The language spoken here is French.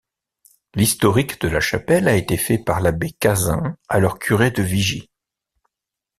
L’historique de la chapelle a été fait par l’abbé Cazin, alors curé de Vigy.